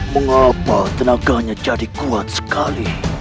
mengapa tenaganya jadi kuat sekali